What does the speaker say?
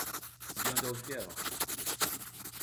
De onde eles vieram?